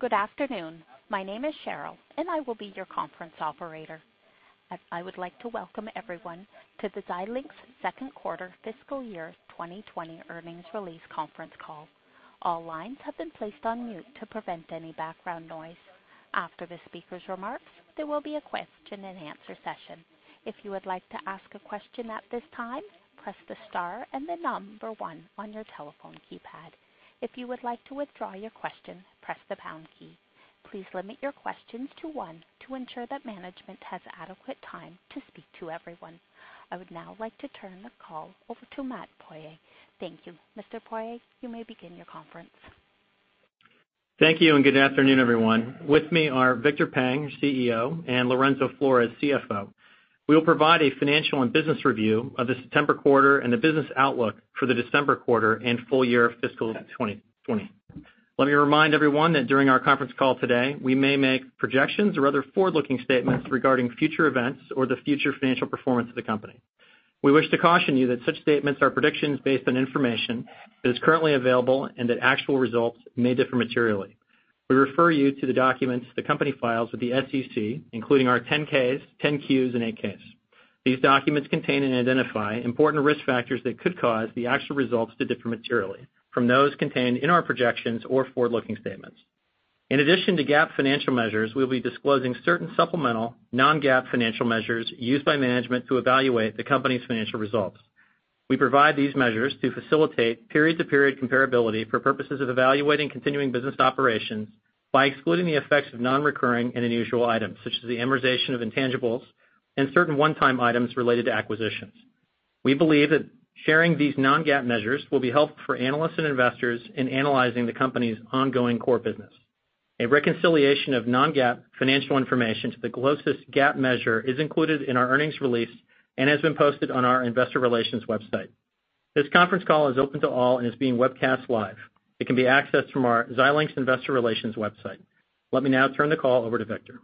Good afternoon. My name is Sheryl, and I will be your conference operator. I would like to welcome everyone to the Xilinx second quarter fiscal year 2020 earnings release conference call. All lines have been placed on mute to prevent any background noise. After the speaker's remarks, there will be a question and answer session. If you would like to ask a question at this time, press the star and the number one on your telephone keypad. If you would like to withdraw your question, press the pound key. Please limit your questions to one to ensure that management has adequate time to speak to everyone. I would now like to turn the call over to Matt Poirier. Thank you. Mr. Poirier, you may begin your conference. Thank you. Good afternoon, everyone. With me are Victor Peng, CEO, and Lorenzo Flores, CFO. We will provide a financial and business review of the September quarter and the business outlook for the December quarter and full year fiscal 2020. Let me remind everyone that during our conference call today, we may make projections or other forward-looking statements regarding future events or the future financial performance of the company. We wish to caution you that such statements are predictions based on information that is currently available and that actual results may differ materially. We refer you to the documents the company files with the SEC, including our 10-Ks, 10-Qs, and 8-Ks. These documents contain and identify important risk factors that could cause the actual results to differ materially from those contained in our projections or forward-looking statements. In addition to GAAP financial measures, we will be disclosing certain supplemental non-GAAP financial measures used by management to evaluate the company's financial results. We provide these measures to facilitate period-to-period comparability for purposes of evaluating continuing business operations by excluding the effects of non-recurring and unusual items, such as the amortization of intangibles and certain one-time items related to acquisitions. We believe that sharing these non-GAAP measures will be helpful for analysts and investors in analyzing the company's ongoing core business. A reconciliation of non-GAAP financial information to the closest GAAP measure is included in our earnings release and has been posted on our investor relations website. This conference call is open to all and is being webcast live. It can be accessed from our Xilinx investor relations website. Let me now turn the call over to Victor.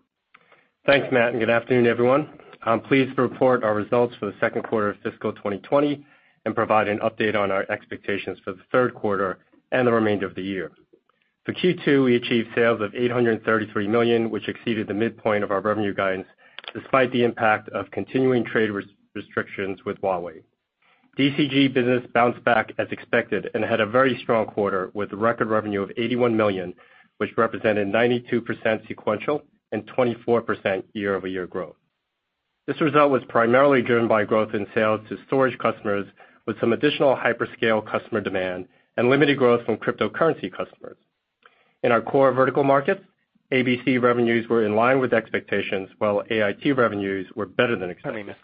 Thanks, Matt. Good afternoon, everyone. I'm pleased to report our results for the second quarter of fiscal 2020 and provide an update on our expectations for the third quarter and the remainder of the year. For Q2, we achieved sales of $833 million, which exceeded the midpoint of our revenue guidance, despite the impact of continuing trade restrictions with Huawei. DCG business bounced back as expected and had a very strong quarter with record revenue of $81 million, which represented 92% sequential and 24% year-over-year growth. This result was primarily driven by growth in sales to storage customers with some additional hyperscale customer demand and limited growth from cryptocurrency customers. In our core vertical markets, ABC revenues were in line with expectations, while AIT revenues were better than expected.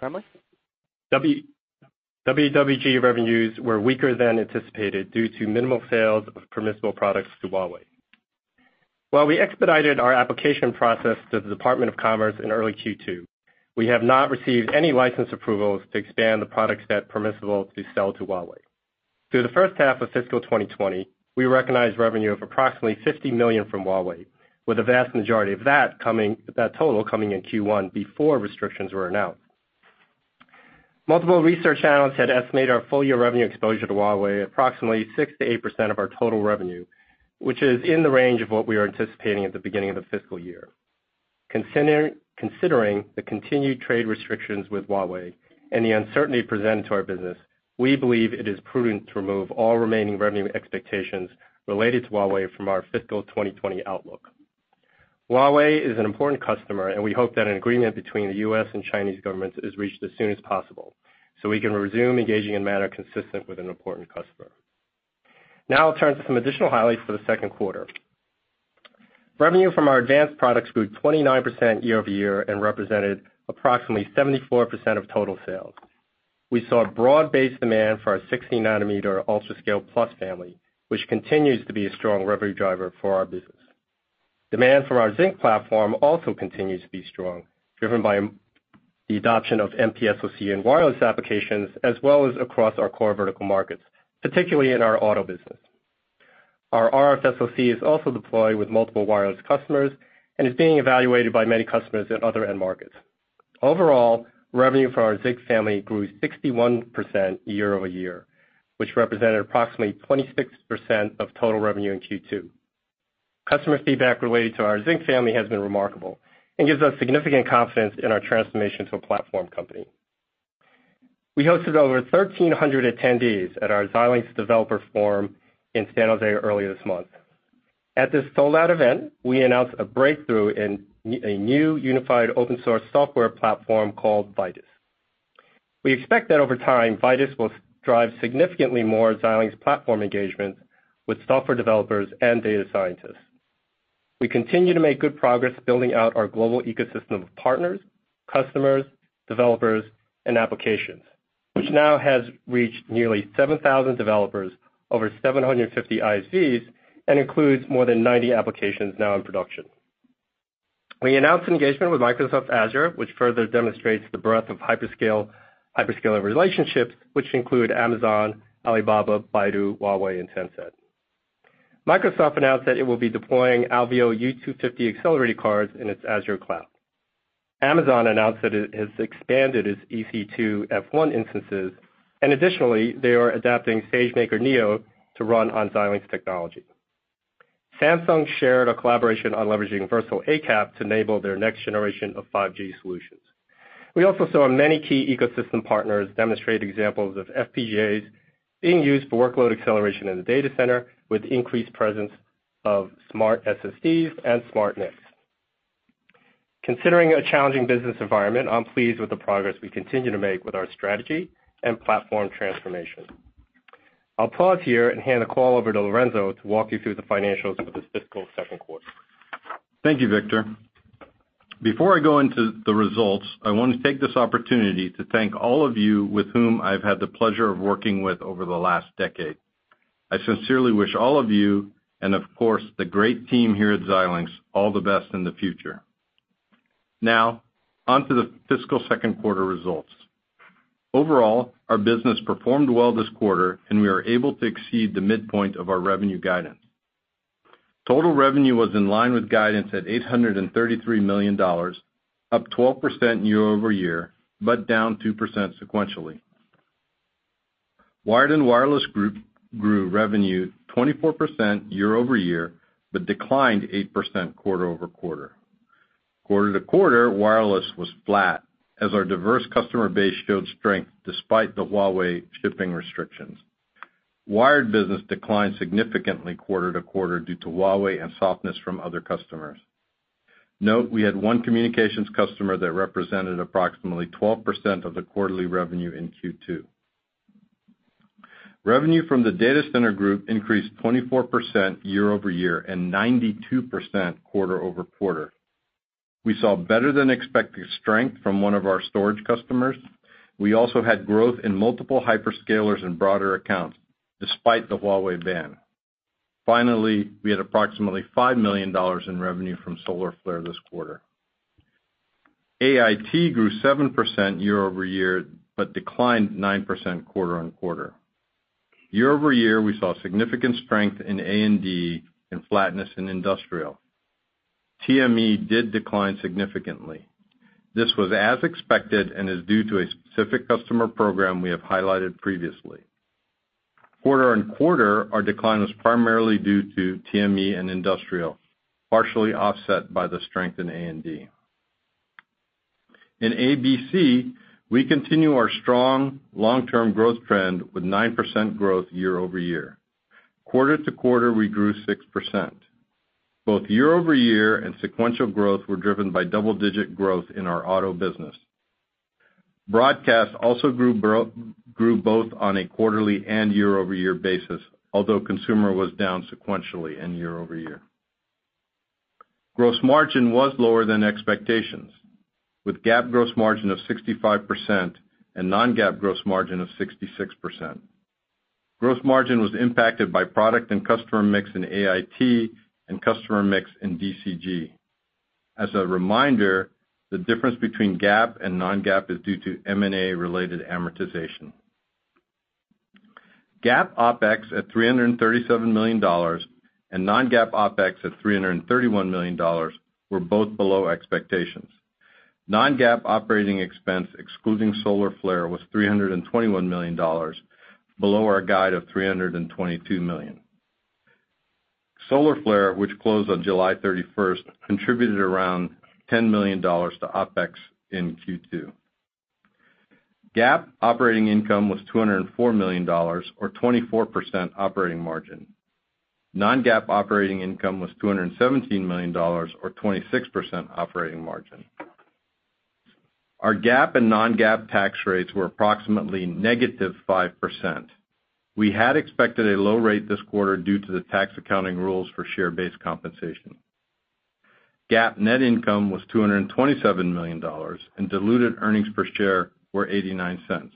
WWG revenues were weaker than anticipated due to minimal sales of permissible products to Huawei. While we expedited our application process to the Department of Commerce in early Q2, we have not received any license approvals to expand the product set permissible to sell to Huawei. Through the first half of fiscal 2020, we recognized revenue of approximately $50 million from Huawei, with a vast majority of that total coming in Q1 before restrictions were announced. Multiple research analysts had estimated our full-year revenue exposure to Huawei approximately 6%-8% of our total revenue, which is in the range of what we were anticipating at the beginning of the fiscal year. Considering the continued trade restrictions with Huawei and the uncertainty presented to our business, we believe it is prudent to remove all remaining revenue expectations related to Huawei from our fiscal 2020 outlook. Huawei is an important customer. We hope that an agreement between the U.S. and Chinese governments is reached as soon as possible so we can resume engaging in a manner consistent with an important customer. I'll turn to some additional highlights for the second quarter. Revenue from our advanced products grew 29% year-over-year and represented approximately 74% of total sales. We saw broad-based demand for our 16-nanometer UltraScale+ family, which continues to be a strong revenue driver for our business. Demand for our Zynq platform also continues to be strong, driven by the adoption of MPSoC in wireless applications as well as across our core vertical markets, particularly in our auto business. Our RFSoC is also deployed with multiple wireless customers and is being evaluated by many customers in other end markets. Overall, revenue for our Zynq family grew 61% year-over-year, which represented approximately 26% of total revenue in Q2. Customer feedback related to our Zynq family has been remarkable and gives us significant confidence in our transformation to a platform company. We hosted over 1,300 attendees at our Xilinx Developer Forum in San Jose earlier this month. At this sold-out event, we announced a breakthrough in a new unified open source software platform called Vitis. We expect that over time, Vitis will drive significantly more Xilinx platform engagement with software developers and data scientists. We continue to make good progress building out our global ecosystem of partners, customers, developers, and applications, which now has reached nearly 7,000 developers over 750 ICs and includes more than 90 applications now in production. We announced an engagement with Microsoft Azure, which further demonstrates the breadth of hyperscaler relationships, which include Amazon, Alibaba, Baidu, Huawei, and Tencent. Microsoft announced that it will be deploying Alveo U250 accelerator cards in its Azure cloud. Amazon announced that it has expanded its EC2 F1 instances, and additionally, they are adapting SageMaker Neo to run on Xilinx technology. Samsung shared a collaboration on leveraging Versal ACAP to enable their next generation of 5G solutions. We also saw many key ecosystem partners demonstrate examples of FPGAs being used for workload acceleration in the data center with increased presence of Smart SSDs and Smart NICs. Considering a challenging business environment, I'm pleased with the progress we continue to make with our strategy and platform transformation. I'll pause here and hand the call over to Lorenzo to walk you through the financials for this fiscal second quarter. Thank you, Victor. Before I go into the results, I want to take this opportunity to thank all of you with whom I've had the pleasure of working with over the last decade. I sincerely wish all of you, and of course, the great team here at Xilinx, all the best in the future. Onto the fiscal second quarter results. Overall, our business performed well this quarter, and we are able to exceed the midpoint of our revenue guidance. Total revenue was in line with guidance at $833 million, up 12% year-over-year, but down 2% sequentially. Wired and wireless group grew revenue 24% year-over-year, but declined 8% quarter-over-quarter. Quarter-to-quarter, wireless was flat as our diverse customer base showed strength despite the Huawei shipping restrictions. Wired business declined significantly quarter-to-quarter due to Huawei and softness from other customers. Note, we had one communications customer that represented approximately 12% of the quarterly revenue in Q2. Revenue from the data center group increased 24% year-over-year and 92% quarter-over-quarter. We saw better-than-expected strength from one of our storage customers. We also had growth in multiple hyperscalers and broader accounts, despite the Huawei ban. Finally, we had approximately $5 million in revenue from Solarflare this quarter. AIT grew 7% year-over-year, but declined 9% quarter-on-quarter. Year-over-year, we saw significant strength in A&D and flatness in industrial. TME did decline significantly. This was as expected and is due to a specific customer program we have highlighted previously. Quarter-on-quarter, our decline was primarily due to TME and industrial, partially offset by the strength in A&D. In ABC, we continue our strong long-term growth trend with 9% growth year-over-year. Quarter-to-quarter, we grew 6%. Both year-over-year and sequential growth were driven by double-digit growth in our auto business. Broadcast also grew both on a quarterly and year-over-year basis, although consumer was down sequentially and year-over-year. Gross margin was lower than expectations, with GAAP gross margin of 65% and non-GAAP gross margin of 66%. Gross margin was impacted by product and customer mix in AIT and customer mix in DCG. As a reminder, the difference between GAAP and non-GAAP is due to M&A-related amortization. GAAP OpEx at $337 million and non-GAAP OpEx at $331 million were both below expectations. Non-GAAP operating expense excluding Solarflare was $321 million, below our guide of $322 million. Solarflare, which closed on July 31st, contributed around $10 million to OpEx in Q2. GAAP operating income was $204 million, or 24% operating margin. Non-GAAP operating income was $217 million, or 26% operating margin. Our GAAP and non-GAAP tax rates were approximately negative 5%. We had expected a low rate this quarter due to the tax accounting rules for share-based compensation. GAAP net income was $227 million, and diluted earnings per share were $0.89.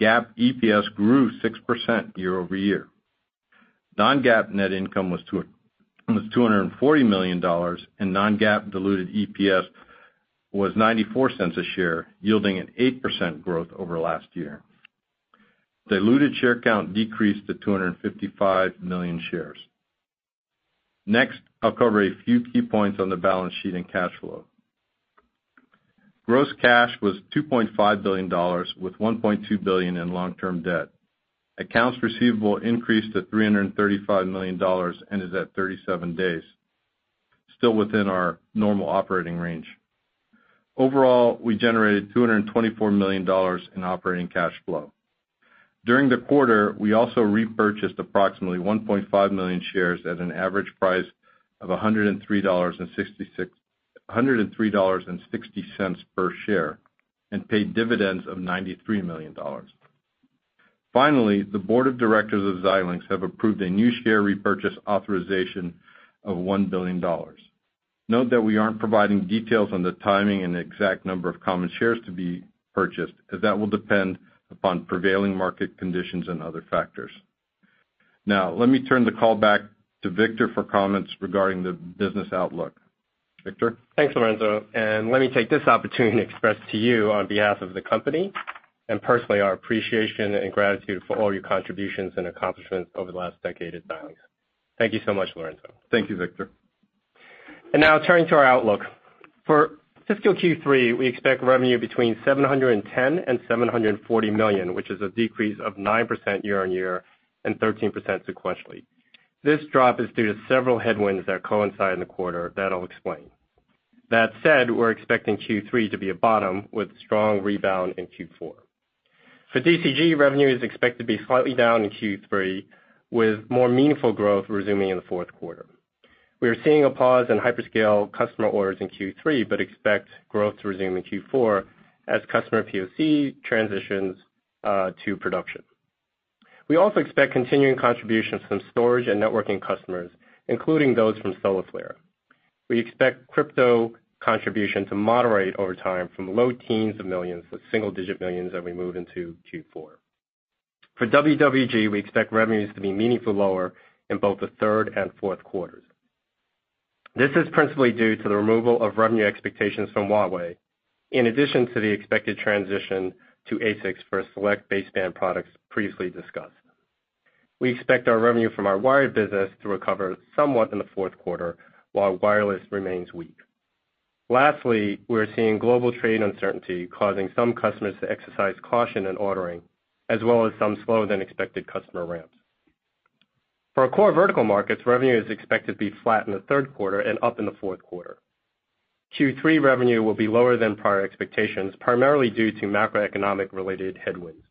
GAAP EPS grew 6% year-over-year. Non-GAAP net income was $240 million, and non-GAAP diluted EPS was $0.94 a share, yielding an 8% growth over last year. Diluted share count decreased to 255 million shares. I'll cover a few key points on the balance sheet and cash flow. Gross cash was $2.5 billion, with $1.2 billion in long-term debt. Accounts receivable increased to $335 million and is at 37 days, still within our normal operating range. Overall, we generated $224 million in operating cash flow. During the quarter, we also repurchased approximately 1.5 million shares at an average price of $103.60 per share and paid dividends of $93 million. Finally, the board of directors of Xilinx have approved a new share repurchase authorization of $1 billion. Note that we aren't providing details on the timing and exact number of common shares to be purchased, as that will depend upon prevailing market conditions and other factors. Let me turn the call back to Victor for comments regarding the business outlook. Victor? Thanks, Lorenzo, let me take this opportunity to express to you on behalf of the company and personally, our appreciation and gratitude for all your contributions and accomplishments over the last decade at Xilinx. Thank you so much, Lorenzo. Thank you, Victor. Now turning to our outlook. For fiscal Q3, we expect revenue between $710 million-$740 million, which is a decrease of 9% year-over-year and 13% sequentially. This drop is due to several headwinds that coincide in the quarter that I'll explain. That said, we're expecting Q3 to be a bottom with strong rebound in Q4. For DCG, revenue is expected to be slightly down in Q3, with more meaningful growth resuming in the fourth quarter. We are seeing a pause in hyperscale customer orders in Q3, but expect growth to resume in Q4 as customer POC transitions to production. We also expect continuing contributions from storage and networking customers, including those from Solarflare. We expect crypto contribution to moderate over time from low teens of millions to single digit millions as we move into Q4. For WWG, we expect revenues to be meaningfully lower in both the third and fourth quarters. This is principally due to the removal of revenue expectations from Huawei, in addition to the expected transition to ASICs for select baseband products previously discussed. We expect our revenue from our wired business to recover somewhat in the fourth quarter, while wireless remains weak. Lastly, we're seeing global trade uncertainty causing some customers to exercise caution in ordering, as well as some slower than expected customer ramps. For our core vertical markets, revenue is expected to be flat in the third quarter and up in the fourth quarter. Q3 revenue will be lower than prior expectations, primarily due to macroeconomic-related headwinds.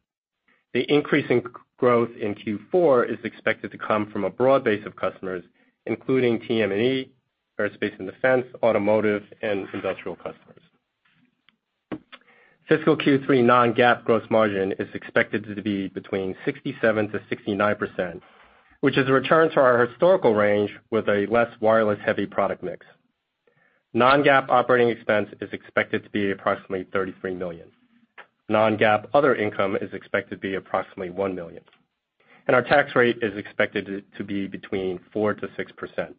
The increase in growth in Q4 is expected to come from a broad base of customers, including TME, Aerospace and Defense, Automotive, and Industrial customers. Fiscal Q3 non-GAAP gross margin is expected to be between 67%-69%, which is a return to our historical range with a less wireless-heavy product mix. Non-GAAP operating expense is expected to be approximately $33 million. Non-GAAP other income is expected to be approximately $1 million. Our tax rate is expected to be between 4%-6%.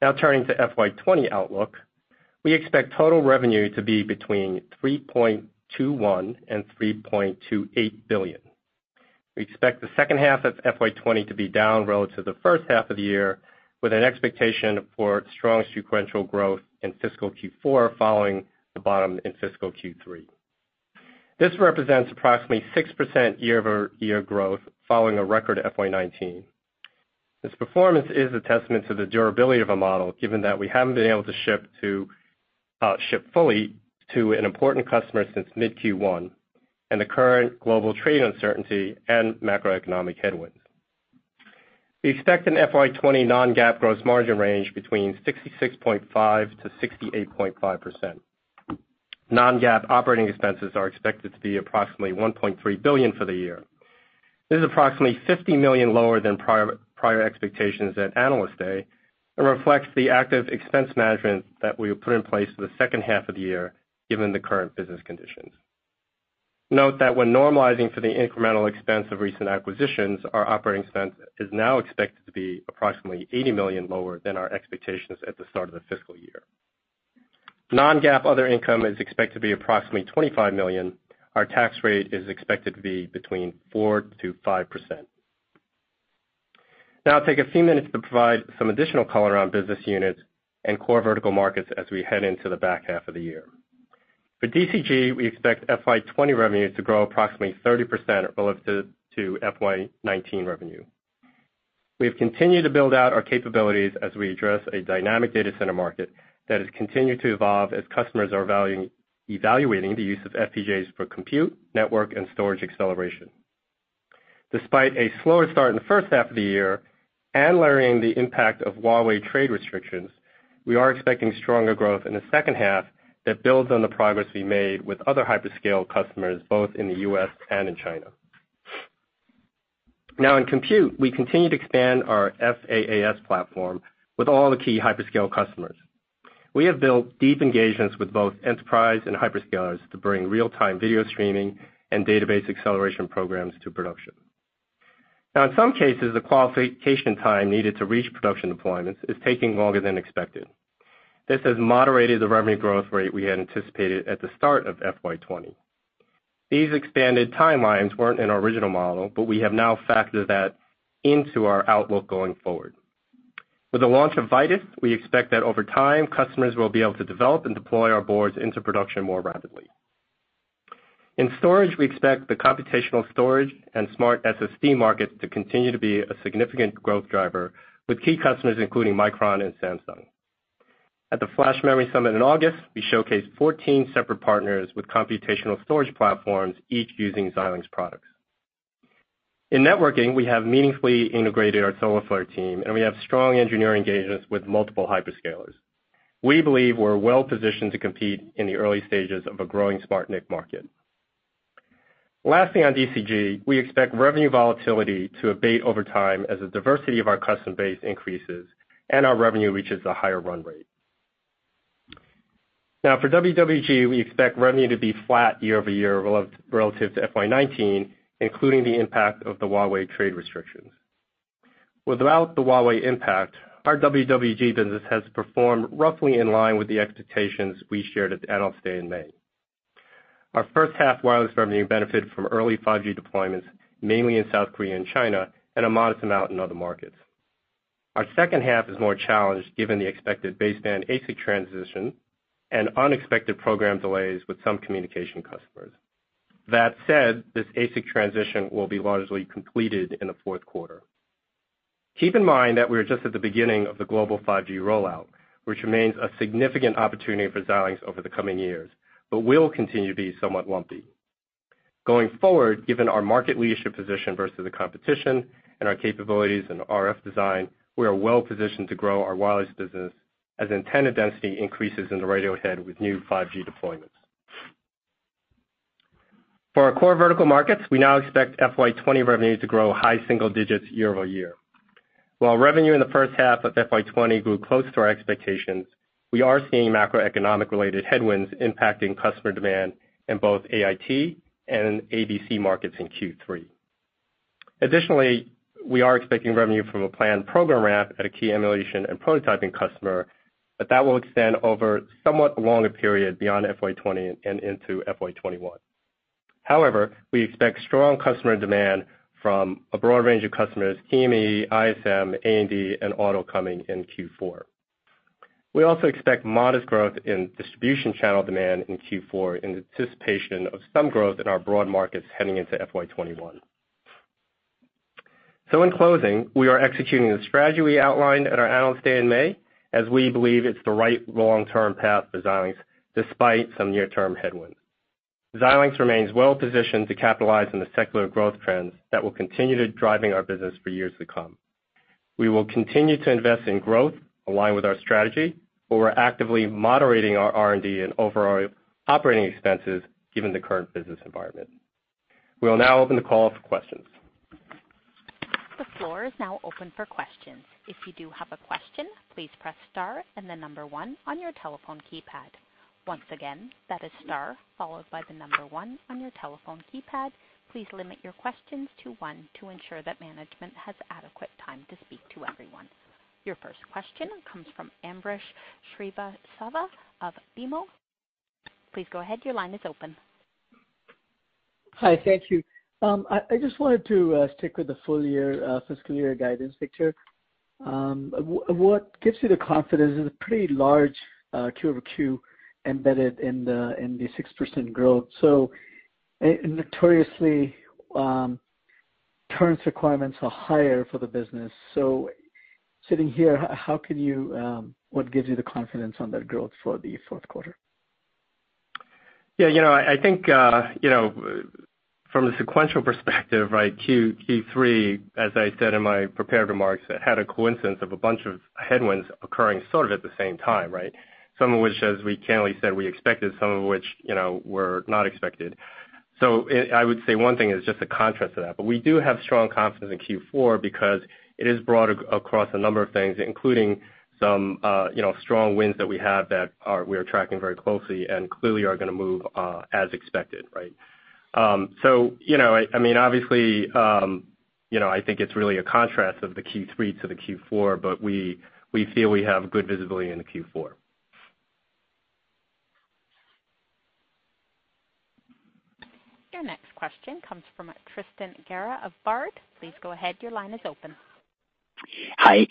Now turning to FY 2020 outlook. We expect total revenue to be between $3.21 billion-$3.28 billion. We expect the second half of FY 2020 to be down relative to the first half of the year, with an expectation for strong sequential growth in fiscal Q4 following the bottom in fiscal Q3. This represents approximately 6% year-over-year growth following a record FY 2019. This performance is a testament to the durability of a model, given that we haven't been able to ship fully to an important customer since mid Q1, and the current global trade uncertainty and macroeconomic headwinds. We expect an FY 2020 non-GAAP gross margin range between 66.5%-68.5%. Non-GAAP operating expenses are expected to be approximately $1.3 billion for the year. This is approximately $50 million lower than prior expectations at Analyst Day and reflects the active expense management that we will put in place for the second half of the year, given the current business conditions. Note that when normalizing for the incremental expense of recent acquisitions, our operating expense is now expected to be approximately $80 million lower than our expectations at the start of the fiscal year. Non-GAAP other income is expected to be approximately $25 million. Our tax rate is expected to be between 4%-5%. Now I'll take a few minutes to provide some additional color on business units and core vertical markets as we head into the back half of the year. For DCG, we expect FY 2020 revenue to grow approximately 30% relative to FY 2019 revenue. We have continued to build out our capabilities as we address a dynamic data center market that has continued to evolve as customers are evaluating the use of FPGAs for compute, network, and storage acceleration. Despite a slower start in the first half of the year and learning the impact of Huawei trade restrictions, we are expecting stronger growth in the second half that builds on the progress we made with other hyperscale customers, both in the U.S. and in China. In compute, we continue to expand our FaaS platform with all the key hyperscale customers. We have built deep engagements with both enterprise and hyperscalers to bring real-time video streaming and database acceleration programs to production. In some cases, the qualification time needed to reach production deployments is taking longer than expected. This has moderated the revenue growth rate we had anticipated at the start of FY 2020. These expanded timelines weren't in our original model, but we have now factored that into our outlook going forward. With the launch of Vitis, we expect that over time, customers will be able to develop and deploy our boards into production more rapidly. In storage, we expect the computational storage and SmartSSD market to continue to be a significant growth driver with key customers, including Micron and Samsung. At the Flash Memory Summit in August, we showcased 14 separate partners with computational storage platforms, each using Xilinx products. In networking, we have meaningfully integrated our Solarflare team, and we have strong engineering engagements with multiple hyperscalers. We believe we're well positioned to compete in the early stages of a growing SmartNIC market. Lastly, on DCG, we expect revenue volatility to abate over time as the diversity of our customer base increases and our revenue reaches a higher run rate. For WWG, we expect revenue to be flat year-over-year relative to FY 2019, including the impact of the Huawei trade restrictions. Without the Huawei impact, our WWG business has performed roughly in line with the expectations we shared at Analyst Day in May. Our first half wireless revenue benefited from early 5G deployments, mainly in South Korea and China, and a modest amount in other markets. Our second half is more challenged given the expected baseband ASIC transition and unexpected program delays with some communication customers. That said, this ASIC transition will be largely completed in the fourth quarter. Keep in mind that we are just at the beginning of the global 5G rollout, which remains a significant opportunity for Xilinx over the coming years, but will continue to be somewhat lumpy. Going forward, given our market leadership position versus the competition and our capabilities in RF design, we are well positioned to grow our wireless business as antenna density increases in the radio head with new 5G deployments. For our core vertical markets, we now expect FY 2020 revenue to grow high single digits year-over-year. While revenue in the first half of FY 2020 grew close to our expectations, we are seeing macroeconomic-related headwinds impacting customer demand in both AIT and ABC markets in Q3. Additionally, we are expecting revenue from a planned program ramp at a key emulation and prototyping customer, but that will extend over somewhat a longer period beyond FY 2020 and into FY 2021. However, we expect strong customer demand from a broad range of customers, TME, ISM, A&D, and auto coming in Q4. We also expect modest growth in distribution channel demand in Q4 in anticipation of some growth in our broad markets heading into FY 2021. In closing, we are executing the strategy we outlined at our Analyst Day in May, as we believe it's the right long-term path for Xilinx, despite some near-term headwinds. Xilinx remains well positioned to capitalize on the secular growth trends that will continue to driving our business for years to come. We're actively moderating our R&D and overall operating expenses given the current business environment. We will now open the call for questions. The floor is now open for questions. If you do have a question, please press star and then number 1 on your telephone keypad. Once again, that is star followed by the number 1 on your telephone keypad. Please limit your questions to one to ensure that management has adequate time to speak to everyone. Your first question comes from Ambrish Srivastava of BMO. Please go ahead. Your line is open. Hi. Thank you. I just wanted to stick with the full year fiscal year guidance picture. What gives you the confidence? It is a pretty large Q over Q embedded in the 6% growth. Notoriously, current requirements are higher for the business. Sitting here, what gives you the confidence on that growth for the fourth quarter? Yeah. I think from the sequential perspective, Q3, as I said in my prepared remarks, had a coincidence of a bunch of headwinds occurring sort of at the same time. Some of which, as we can only said we expected, some of which were not expected. I would say one thing is just a contrast to that. We do have strong confidence in Q4 because it is broad across a number of things, including some strong wins that we have that we are tracking very closely and clearly are going to move as expected. I mean, obviously I think it's really a contrast of the Q3 to the Q4, we feel we have good visibility into Q4. Your next question comes from Tristan Gerra of Baird. Please go ahead, your line is open. Hi.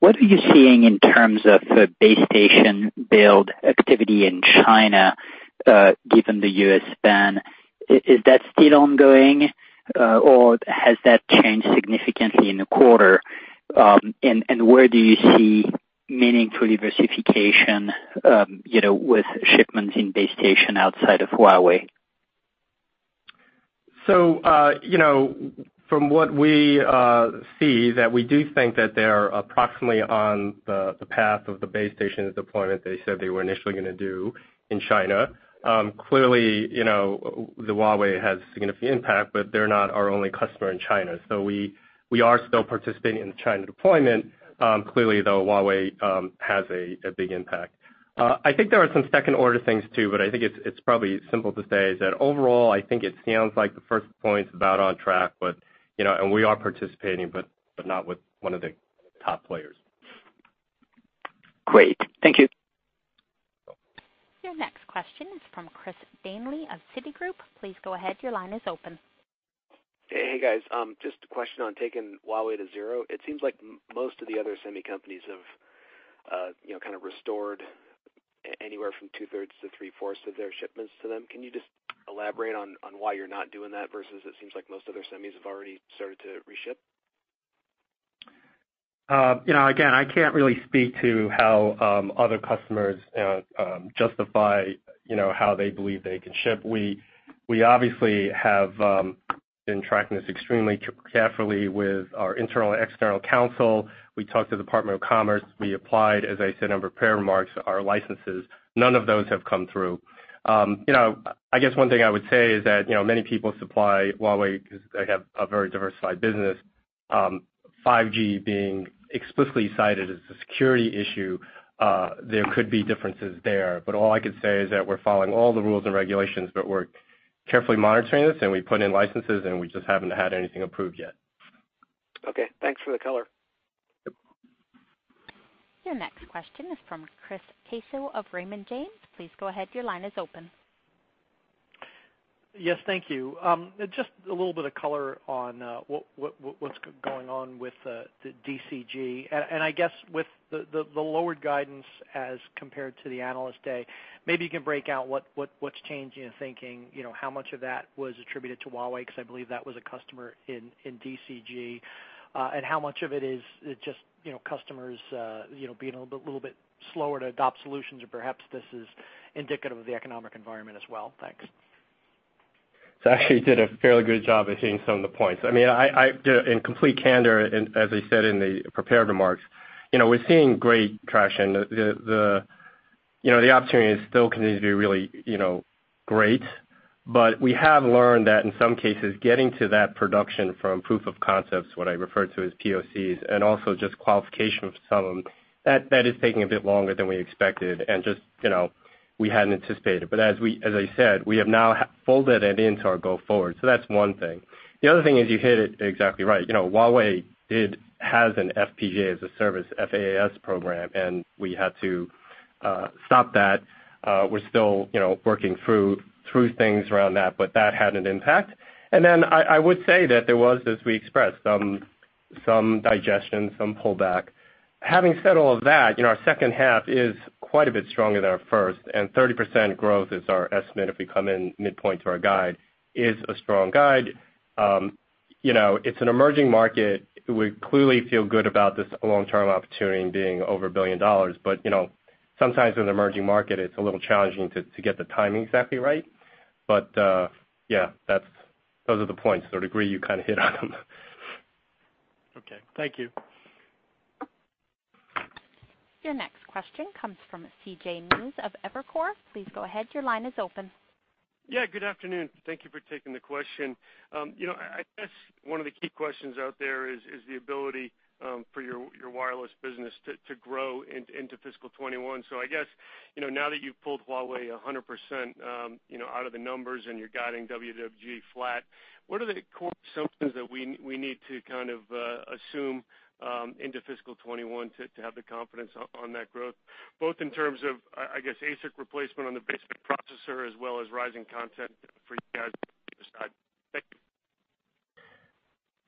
What are you seeing in terms of base station build activity in China given the U.S. ban? Is that still ongoing or has that changed significantly in the quarter? Where do you see meaningful diversification with shipments in base station outside of Huawei? From what we see, that we do think that they are approximately on the path of the base station deployment they said they were initially going to do in China. Clearly, the Huawei has significant impact, but they're not our only customer in China. We are still participating in the China deployment. Clearly, though, Huawei has a big impact. I think there are some second-order things, too, I think it's probably simple to say is that overall, I think it sounds like the first point is about on track, and we are participating, but not with one of the top players. Great. Thank you. Your next question is from Christopher Danely of Citigroup. Please go ahead. Your line is open. Hey, guys. Just a question on taking Huawei to zero. It seems like most of the other semi companies have kind of restored anywhere from two-thirds to three-fourths of their shipments to them. Can you just elaborate on why you're not doing that versus it seems like most other semis have already started to reship? Again, I can't really speak to how other customers justify how they believe they can ship. We obviously have been tracking this extremely carefully with our internal and external counsel. We talked to the Department of Commerce. We applied, as I said in my prepared remarks, our licenses. None of those have come through. I guess one thing I would say is that many people supply Huawei because they have a very diversified business. 5G being explicitly cited as a security issue, there could be differences there. All I can say is that we're following all the rules and regulations, but we're carefully monitoring this, and we put in licenses, and we just haven't had anything approved yet. Okay. Thanks for the color. Your next question is from Chris Caso of Raymond James. Please go ahead, your line is open. Yes, thank you. Just a little bit of color on what's going on with the DCG. I guess with the lowered guidance as compared to the Analyst Day. Maybe you can break out what's changed in your thinking. How much of that was attributed to Huawei? Because I believe that was a customer in DCG. How much of it is just customers being a little bit slower to adopt solutions? Perhaps this is indicative of the economic environment as well. Thanks. I actually did a fairly good job at hitting some of the points. In complete candor, as I said in the prepared remarks, we're seeing great traction. The opportunity still continues to be really great. We have learned that in some cases, getting to that production from proof of concepts, what I referred to as POCs, and also just qualification of some of them, that is taking a bit longer than we expected and we hadn't anticipated. As I said, we have now folded it into our go forward. That's one thing. The other thing is you hit it exactly right. Huawei has an FPGA as a service, FaaS program. We had to stop that. We're still working through things around that, but that had an impact. I would say that there was, as we expressed, some digestion, some pullback. Having said all of that, our second half is quite a bit stronger than our first. 30% growth is our estimate if we come in midpoint to our guide, is a strong guide. It's an emerging market. We clearly feel good about this long-term opportunity being over $1 billion. Sometimes in an emerging market, it's a little challenging to get the timing exactly right. Yeah, those are the points, to a degree, you kind of hit on them. Okay, thank you. Your next question comes from C.J. Muse of Evercore. Please go ahead, your line is open. Yeah, good afternoon. Thank you for taking the question. I guess one of the key questions out there is the ability for your wireless business to grow into FY 2021. I guess, now that you've pulled Huawei 100% out of the numbers and you're guiding WWG flat, what are the core assumptions that we need to assume into FY 2021 to have the confidence on that growth, both in terms of, I guess, ASIC replacement on the baseband processor as well as rising content for you guys on the server side? Thank you.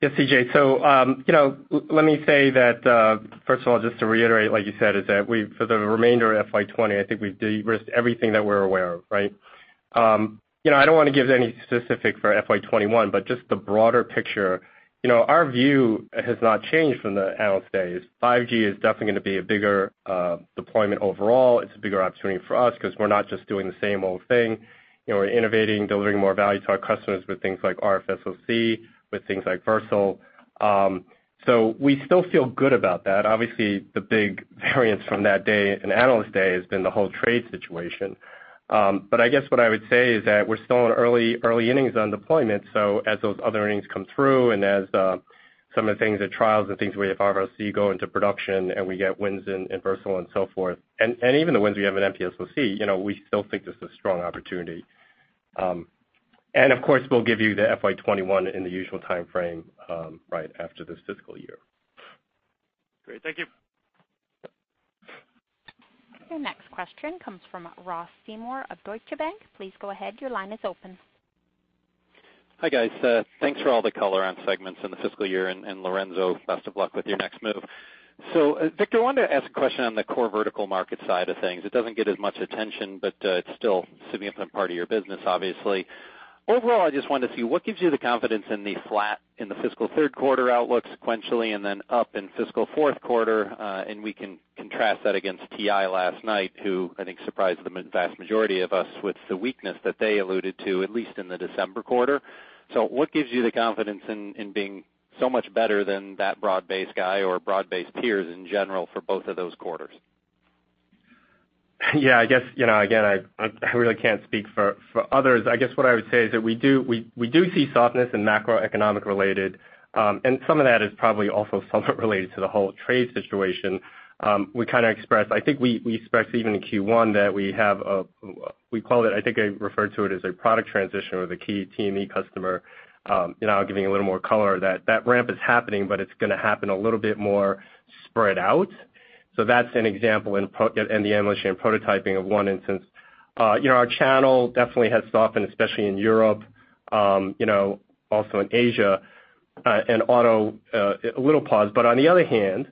Yes, C.J. Let me say that, first of all, just to reiterate, like you said, is that for the remainder of FY 2020, I think we've de-risked everything that we're aware of, right? I don't want to give any specific for FY 2021, but just the broader picture. Our view has not changed from the Analyst Day. 5G is definitely going to be a bigger deployment overall. It's a bigger opportunity for us because we're not just doing the same old thing. We're innovating, delivering more value to our customers with things like RFSoC, with things like Versal. We still feel good about that. Obviously, the big variance from that day and Analyst Day has been the whole trade situation. I guess what I would say is that we're still in early innings on deployment. as those other innings come through and as some of the things, the trials and things with RFSoC go into production and we get wins in Versal and so forth, and even the wins we have in MPSoC, we still think this is a strong opportunity. Of course, we'll give you the FY 2021 in the usual timeframe right after this fiscal year. Great. Thank you. Your next question comes from Ross Seymore of Deutsche Bank. Please go ahead. Your line is open. Hi, guys. Thanks for all the color on segments in the fiscal year, and Lorenzo, best of luck with your next move. Victor, I wanted to ask a question on the core vertical market side of things. It doesn't get as much attention, but it's still a significant part of your business, obviously. Overall, I just wanted to see what gives you the confidence in the fiscal third quarter outlook sequentially and then up in fiscal fourth quarter, and we can contrast that against TI last night, who I think surprised the vast majority of us with the weakness that they alluded to, at least in the December quarter. What gives you the confidence in being so much better than that broad-based guy or broad-based peers in general for both of those quarters? I guess, again, I really can't speak for others. I guess what I would say is that we do see softness in macroeconomic related, and some of that is probably also somewhat related to the whole trade situation. We expressed even in Q1 that we have, I think I referred to it as a product transition with a key TME customer. I'll give you a little more color that that ramp is happening, but it's going to happen a little bit more spread out. That's an example in the analyst and prototyping of one instance. Our channel definitely has softened, especially in Europe, also in Asia, and auto, a little pause. On the other hand,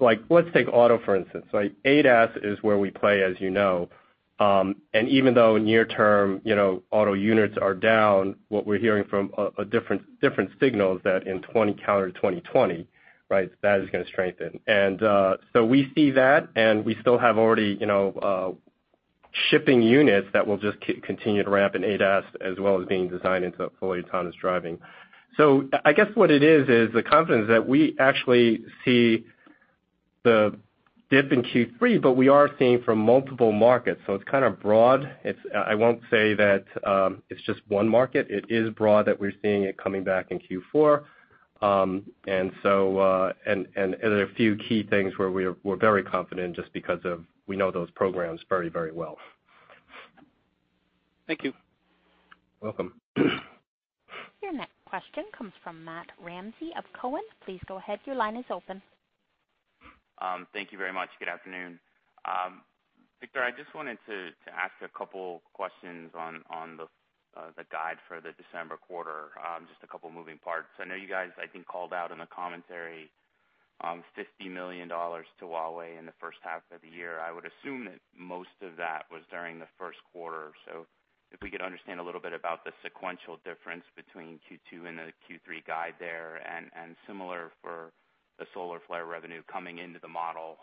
let's take auto, for instance. ADAS is where we play, as you know. Even though near term auto units are down, what we're hearing from different signals that in calendar 2020, that is going to strengthen. We see that, and we still have already shipping units that will just continue to ramp in ADAS, as well as being designed into fully autonomous driving. I guess what it is the confidence that we actually see the dip in Q3, but we are seeing from multiple markets. It's kind of broad. I won't say that it's just one market. It is broad that we're seeing it coming back in Q4. There are a few key things where we're very confident just because we know those programs very well. Thank you. Welcome. Your next question comes from Matthew Ramsay of Cowen. Please go ahead, your line is open. Thank you very much. Good afternoon. Victor, I just wanted to ask a couple questions on the guide for the December quarter, just a couple moving parts. I know you guys, I think, called out in the commentary $50 million to Huawei in the first half of the year. I would assume that most of that was during the first quarter. If we could understand a little bit about the sequential difference between Q2 and the Q3 guide there, and similar for the Solarflare revenue coming into the model.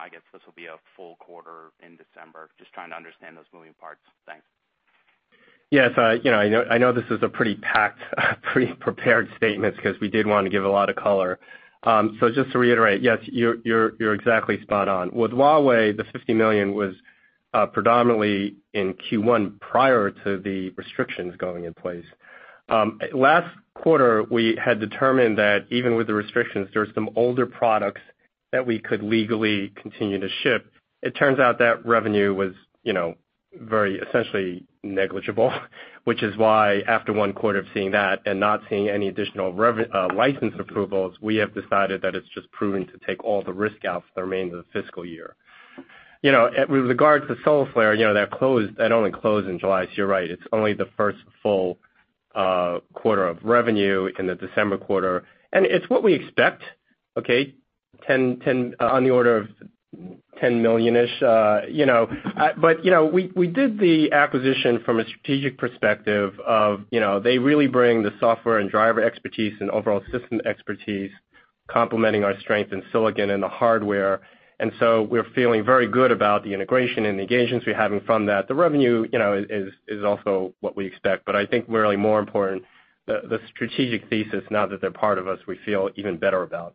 I guess this will be a full quarter in December. Just trying to understand those moving parts. Thanks. Yes. I know this is a pretty packed pre-prepared statement because we did want to give a lot of color. Just to reiterate, yes, you're exactly spot on. With Huawei, the $50 million was predominantly in Q1, prior to the restrictions going in place. Last quarter, we had determined that even with the restrictions, there are some older products that we could legally continue to ship. It turns out that revenue was very essentially negligible, which is why after one quarter of seeing that and not seeing any additional license approvals, we have decided that it's just prudent to take all the risk out for the remainder of the fiscal year. With regards to Solarflare, that only closed in July, so you're right, it's only the first full quarter of revenue in the December quarter. It's what we expect, okay, on the order of $10 million-ish. We did the acquisition from a strategic perspective of they really bring the software and driver expertise and overall system expertise complementing our strength in silicon and the hardware. We're feeling very good about the integration and the engagements we're having from that. The revenue is also what we expect. I think really more important, the strategic thesis, now that they're part of us, we feel even better about.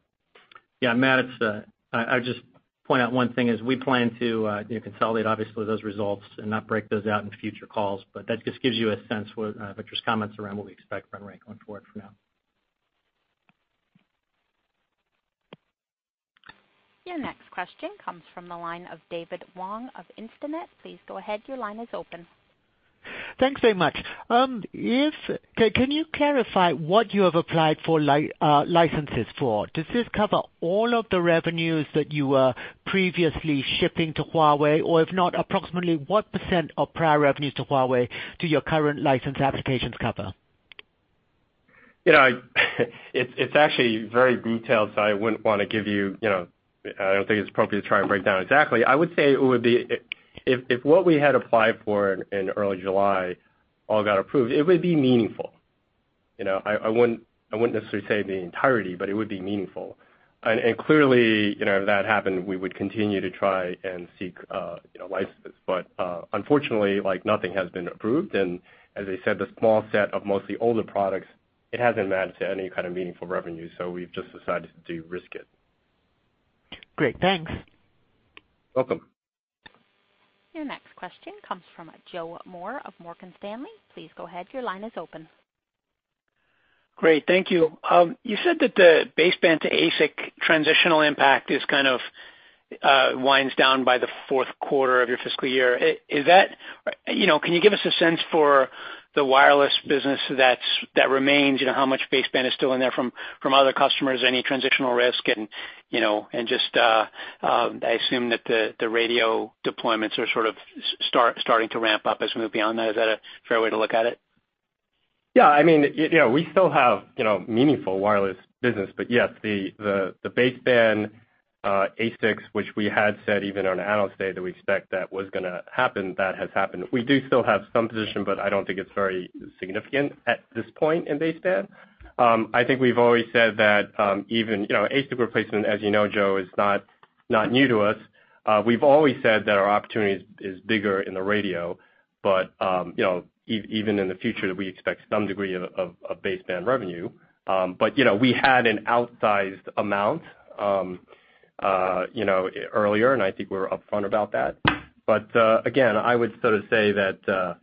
Yeah, Matt, I'd just point out one thing is we plan to consolidate, obviously, those results and not break those out in future calls. That just gives you a sense for Victor's comments around what we expect from them going forward for now. Your next question comes from the line of David Wong of Instinet. Please go ahead, your line is open. Thanks very much. Can you clarify what you have applied for licenses for? Does this cover all of the revenues that you were previously shipping to Huawei, or if not, approximately what % of prior revenues to Huawei do your current license applications cover? It's actually very detailed. I don't think it's appropriate to try and break down exactly. I would say if what we had applied for in early July all got approved, it would be meaningful. I wouldn't necessarily say the entirety, it would be meaningful. Clearly, if that happened, we would continue to try and seek licenses. Unfortunately, nothing has been approved. As I said, the small set of mostly older products, it hasn't added to any kind of meaningful revenue. We've just decided to de-risk it. Great, thanks. Welcome. Your next question comes from Joe Moore of Morgan Stanley. Please go ahead, your line is open. Great. Thank you. You said that the baseband to ASIC transitional impact kind of winds down by the fourth quarter of your fiscal year. Can you give us a sense for the wireless business that remains, how much baseband is still in there from other customers, any transitional risk and just, I assume that the radio deployments are sort of starting to ramp up as we move beyond that. Is that a fair way to look at it? Yeah. We still have meaningful wireless business. Yes, the baseband ASICs, which we had said even on Analyst Day that we expect that was going to happen, that has happened. We do still have some position, I don't think it's very significant at this point in baseband. I think we've always said that even ASIC replacement, as you know, Joe, is not new to us. We've always said that our opportunity is bigger in the radio. Even in the future, we expect some degree of baseband revenue. We had an outsized amount earlier, and I think we were upfront about that. Again, I would sort of say that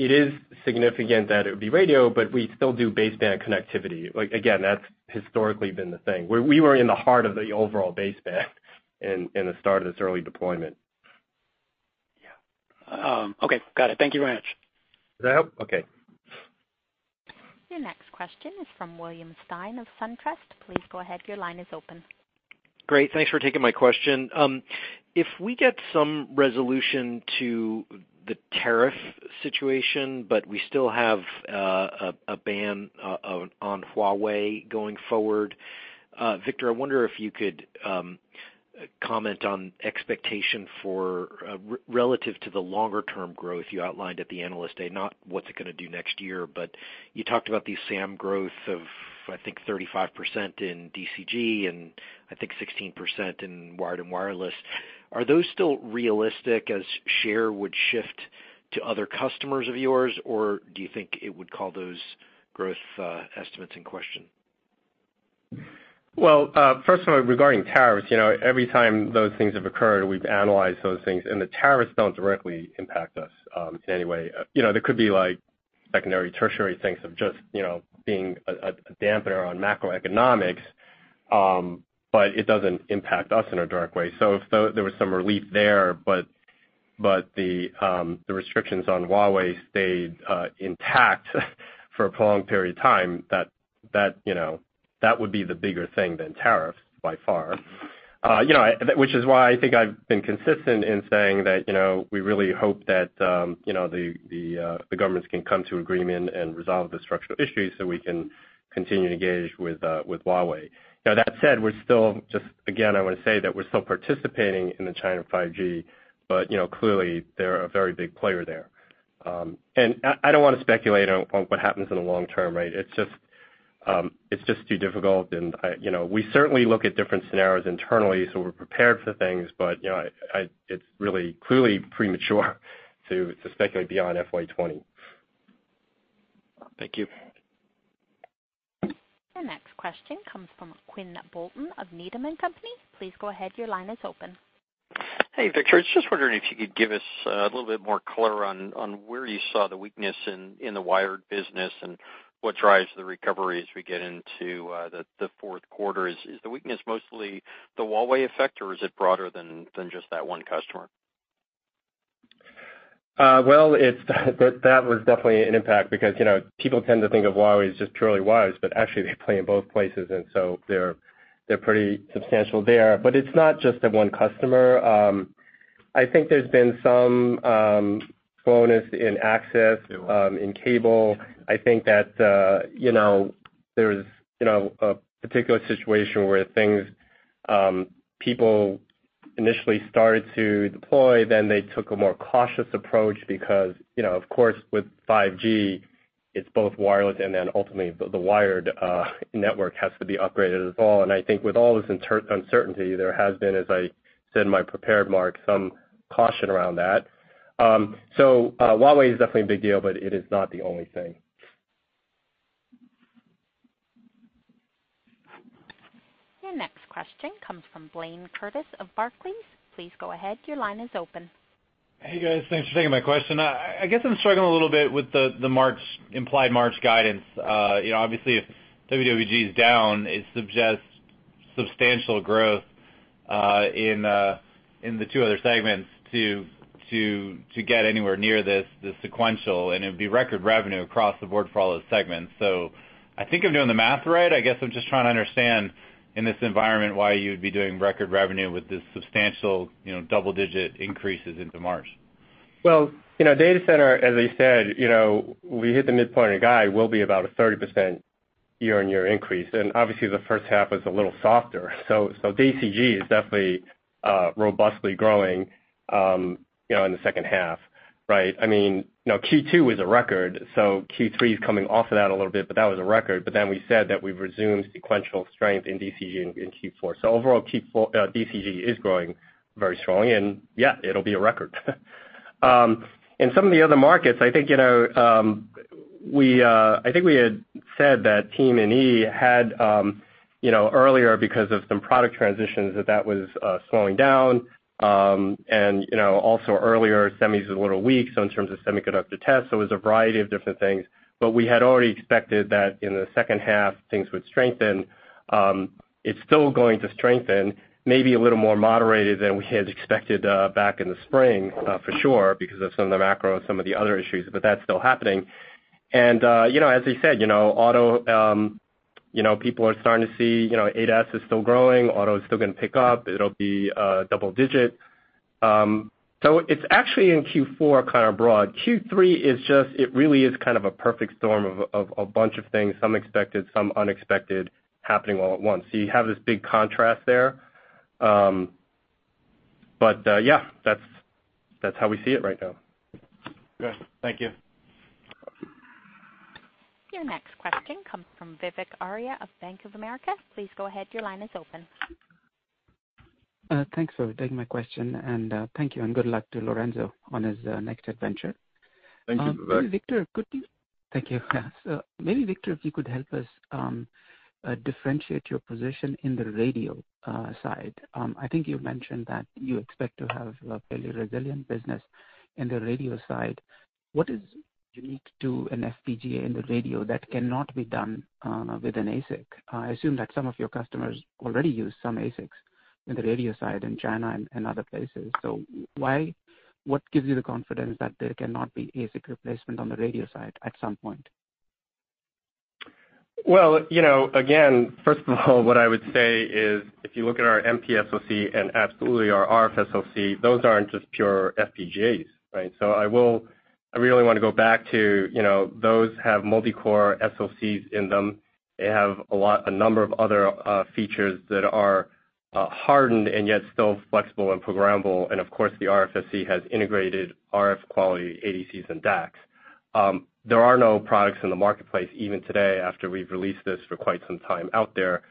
it is significant that it would be radio, we still do baseband connectivity. Again, that's historically been the thing, where we were in the heart of the overall baseband in the start of this early deployment. Yeah. Okay. Got it. Thank you very much. Does that help? Okay. Your next question is from William Stein of SunTrust. Please go ahead, your line is open. Great. Thanks for taking my question. If we get some resolution to the tariff situation, but we still have a ban on Huawei going forward, Victor, I wonder if you could comment on expectation for relative to the longer-term growth you outlined at the Analyst Day, not what's it going to do next year, but you talked about the SAM growth of, I think, 35% in DCG and I think 16% in wired and wireless. Are those still realistic as share would shift to other customers of yours, or do you think it would call those growth estimates in question? Well, first of all, regarding tariffs, every time those things have occurred, we've analyzed those things. The tariffs don't directly impact us in any way. There could be Secondary, tertiary things of just being a dampener on macroeconomics, but it doesn't impact us in a direct way. If there was some relief there, but the restrictions on Huawei stayed intact for a prolonged period of time, that would be the bigger thing than tariffs, by far. Which is why I think I've been consistent in saying that, we really hope that the governments can come to an agreement and resolve the structural issues so we can continue to engage with Huawei. Now that said, just again, I want to say that we're still participating in the China 5G, but clearly they're a very big player there. I don't want to speculate on what happens in the long term, right? It's just too difficult, and we certainly look at different scenarios internally so we're prepared for things. It's really clearly premature to speculate beyond FY 2020. Thank you. The next question comes from Quinn Bolton of Needham and Company. Please go ahead, your line is open. Hey, Victor. I was just wondering if you could give us a little bit more color on where you saw the weakness in the wired business and what drives the recovery as we get into the fourth quarter. Is the weakness mostly the Huawei effect, or is it broader than just that one customer? That was definitely an impact because people tend to think of Huawei as just purely wires, but actually, they play in both places, they're pretty substantial there. It's not just that one customer. I think there's been some slowness in access, in cable. I think that there's a particular situation where people initially started to deploy, then they took a more cautious approach because, of course, with 5G, it's both wireless and ultimately, the wired network has to be upgraded as well. I think with all this uncertainty, there has been, as I said in my prepared, remark, some caution around that. Huawei is definitely a big deal, but it is not the only thing. Your next question comes from Blayne Curtis of Barclays. Please go ahead, your line is open. Hey, guys. Thanks for taking my question. I guess I'm struggling a little bit with the implied March guidance. Obviously, if WWG is down, it suggests substantial growth in the two other segments to get anywhere near this sequential, and it'd be record revenue across the board for all those segments. I think I'm doing the math right. I guess I'm just trying to understand, in this environment, why you would be doing record revenue with this substantial double-digit increases into March. Well, data center, as I said, we hit the midpoint of the guide. We'll be about a 30% year-on-year increase, and obviously, the first half was a little softer. DCG is definitely robustly growing in the second half, right? Q2 was a record, Q3 is coming off of that a little bit, but that was a record. We said that we've resumed sequential strength in DCG in Q4. Overall, DCG is growing very strongly. Yeah, it'll be a record. In some of the other markets, I think we had said that TME had, earlier, because of some product transitions, that that was slowing down. Also earlier, semi's a little weak, so in terms of semiconductor tests, there was a variety of different things. We had already expected that in the second half, things would strengthen. It's still going to strengthen, maybe a little more moderated than we had expected back in the spring, for sure, because of some of the macro, some of the other issues, but that's still happening. As I said, auto, people are starting to see ADAS is still growing, auto is still going to pick up. It'll be double digit. It's actually in Q4 kind of broad. Q3, it really is kind of a perfect storm of a bunch of things, some expected, some unexpected, happening all at once. You have this big contrast there. Yeah, that's how we see it right now. Okay. Thank you. Your next question comes from Vivek Arya of Bank of America. Please go ahead, your line is open. Thanks for taking my question, and thank you, and good luck to Lorenzo on his next adventure. Thank you, Vivek. Thank you. Maybe, Victor, if you could help us differentiate your position in the radio side. I think you mentioned that you expect to have a fairly resilient business in the radio side. What is unique to an FPGA in the radio that cannot be done with an ASIC? I assume that some of your customers already use some ASICs in the radio side in China and other places. What gives you the confidence that there cannot be ASIC replacement on the radio side at some point? Well, again, first of all, what I would say is, if you look at our MPSoC and absolutely our RFSoC, those aren't just pure FPGAs, right? I really want to go back to those have multi-core SoCs in them. They have a number of other features that are hardened and yet still flexible and programmable. Of course, the RFSoC has integrated RF quality ADCs and DACs. There are no products in the marketplace, even today, after we've released this for quite some time out there.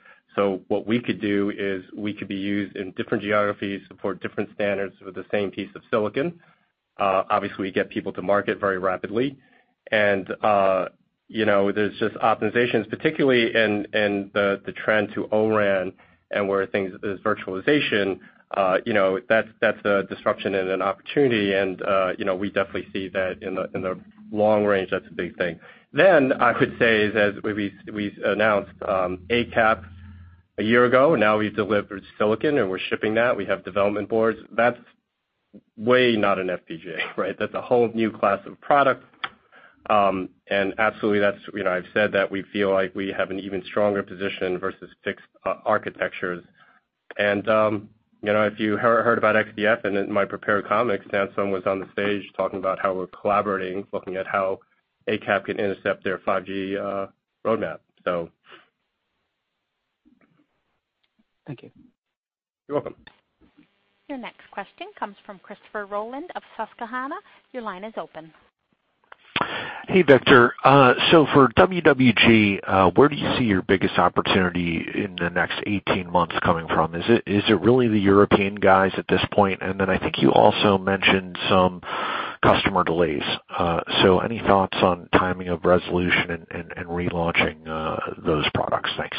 What we could do is we could be used in different geographies for different standards with the same piece of silicon. Obviously, we get people to market very rapidly. There's just optimizations, particularly in the trend to O-RAN and where there's virtualization. That's a disruption and an opportunity, we definitely see that in the long range, that's a big thing. I could say is, as we announced ACAP a year ago, now we've delivered silicon and we're shipping that. We have development boards. That's way not an FPGA, right? That's a whole new class of product. Absolutely, I've said that we feel like we have an even stronger position versus fixed architectures. If you heard about XDF and in my prepared comments, Samsung was on the stage talking about how we're collaborating, looking at how ACAP can intercept their 5G roadmap. Thank you. You're welcome. Your next question comes from Christopher Rolland of Susquehanna. Your line is open. Hey, Victor. For WWG, where do you see your biggest opportunity in the next 18 months coming from? Is it really the European guys at this point? I think you also mentioned some customer delays. Any thoughts on timing of resolution and relaunching those products? Thanks.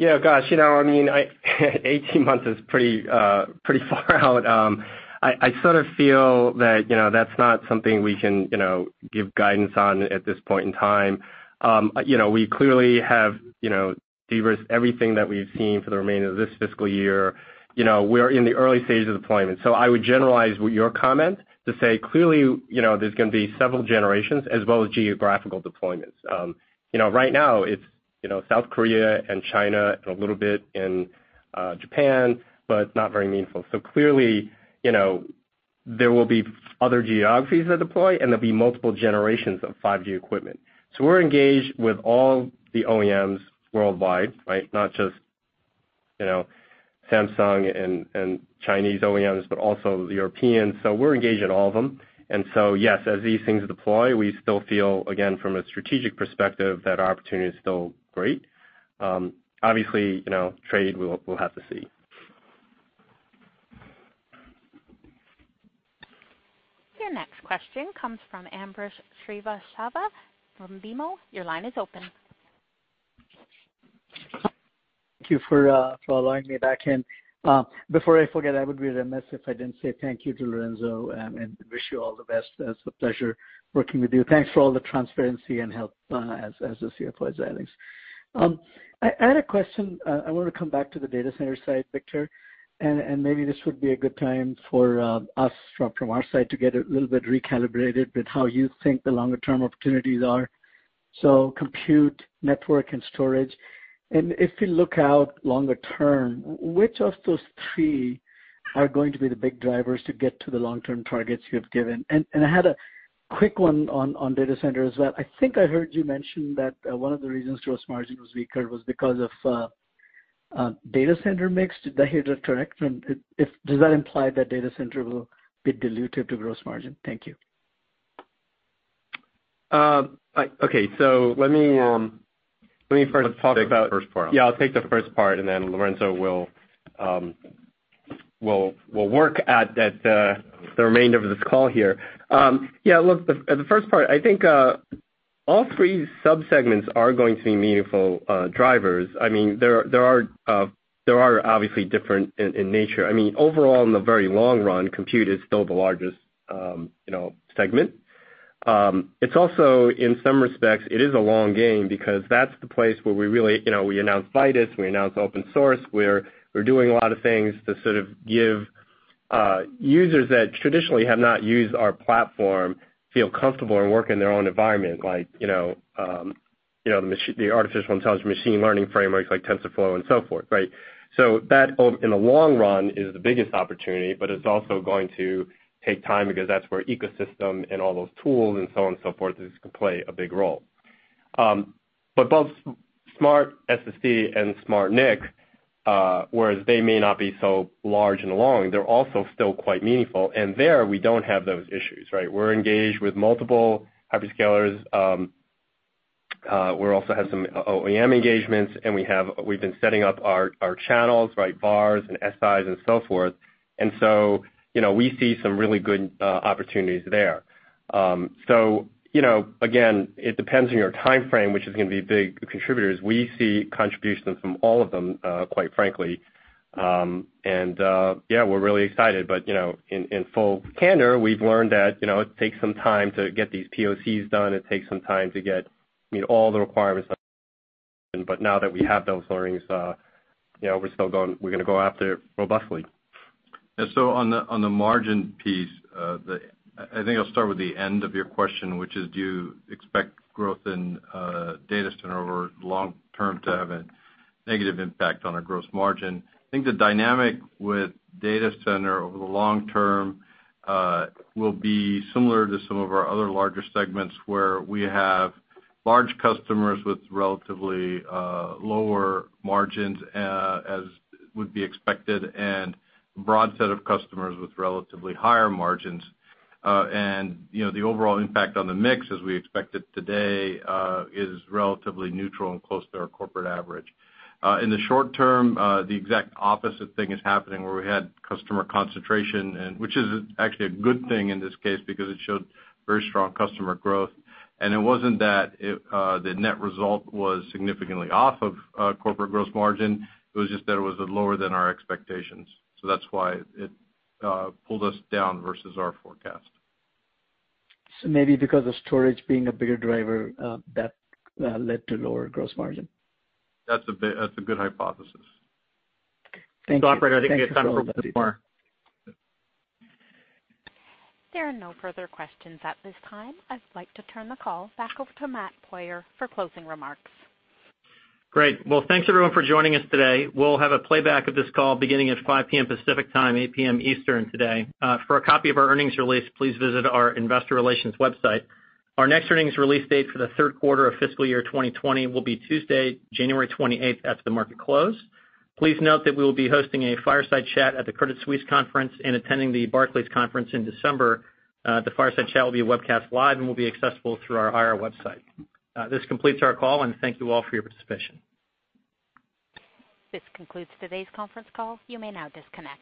Gosh. I mean 18 months is pretty far out. I sort of feel that that's not something we can give guidance on at this point in time. We clearly have de-risked everything that we've seen for the remainder of this fiscal year. We're in the early stages of deployment. I would generalize your comment to say, clearly, there's going to be several generations as well as geographical deployments. Right now it's South Korea and China and a little bit in Japan, but it's not very meaningful. Clearly, there will be other geographies that deploy, and there'll be multiple generations of 5G equipment. We're engaged with all the OEMs worldwide, right? Not just Samsung and Chinese OEMs, but also the Europeans. We're engaged at all of them. Yes, as these things deploy, we still feel, again, from a strategic perspective, that our opportunity is still great. Obviously, trade, we'll have to see. Your next question comes from Ambrish Srivastava from BMO. Your line is open. Thank you for allowing me back in. Before I forget, I would be remiss if I didn't say thank you to Lorenzo and wish you all the best. It's a pleasure working with you. Thanks for all the transparency and help as the CFO at Xilinx. I had a question. I want to come back to the data center side, Victor, and maybe this would be a good time for us from our side to get a little bit recalibrated with how you think the longer-term opportunities are, so compute, network, and storage. If you look out longer term, which of those three are going to be the big drivers to get to the long-term targets you have given? I had a quick one on data center as well. I think I heard you mention that one of the reasons gross margin was weaker was because of data center mix. Did I hear that correct? Does that imply that data center will be dilutive to gross margin? Thank you. Okay. Let me first talk about- Let's take the first part. Yeah, I'll take the first part and then Lorenzo will work at the remainder of this call here. Yeah, look, the first part, I think all three sub-segments are going to be meaningful drivers. I mean, they are obviously different in nature. I mean, overall, in the very long run, compute is still the largest segment. It's also, in some respects, it is a long game because that's the place where we announced Vitis, we announced open source. We're doing a lot of things to sort of give users that traditionally have not used our platform feel comfortable and work in their own environment, like the artificial intelligence machine learning frameworks like TensorFlow and so forth, right? That, in the long run, is the biggest opportunity, but it's also going to take time because that's where ecosystem and all those tools and so on and so forth is going to play a big role. Both SmartSSD and SmartNIC, whereas they may not be so large and long, they're also still quite meaningful. There, we don't have those issues, right? We're engaged with multiple hyperscalers. We also have some OEM engagements, and we've been setting up our channels, VARs and SIs and so forth. We see some really good opportunities there. Again, it depends on your time frame, which is going to be big contributors. We see contributions from all of them, quite frankly. Yeah, we're really excited. In full candor, we've learned that it takes some time to get these POCs done. It takes some time to get all the requirements but now that we have those learnings, we're going to go after it robustly. On the margin piece, I think I'll start with the end of your question, which is, do you expect growth in data center over long term to have a negative impact on our gross margin? I think the dynamic with data center over the long term will be similar to some of our other larger segments, where we have large customers with relatively lower margins, as would be expected, and broad set of customers with relatively higher margins. The overall impact on the mix, as we expect it today, is relatively neutral and close to our corporate average. In the short term, the exact opposite thing is happening, where we had customer concentration, which is actually a good thing in this case because it showed very strong customer growth. It wasn't that the net result was significantly off of corporate gross margin. It was just that it was lower than our expectations. That's why it pulled us down versus our forecast. Maybe because of storage being a bigger driver, that led to lower gross margin. That's a good hypothesis. Thank you. Operator, I think you got time for one more. There are no further questions at this time. I'd like to turn the call back over to Matt Poirier for closing remarks. Great. Well, thanks everyone for joining us today. We'll have a playback of this call beginning at 5:00 P.M. Pacific Time, 8:00 P.M. Eastern today. For a copy of our earnings release, please visit our investor relations website. Our next earnings release date for the third quarter of fiscal year 2020 will be Tuesday, January 28th, after the market close. Please note that we will be hosting a fireside chat at the Credit Suisse conference and attending the Barclays conference in December. The fireside chat will be webcast live and will be accessible through our IR website. This completes our call, and thank you all for your participation. This concludes today's conference call. You may now disconnect.